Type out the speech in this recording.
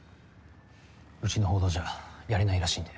うちの報道じゃやれないらしいんで。